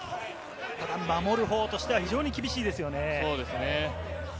守るほうとしては非常に厳しいですよね。